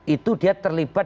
itu dia terlibat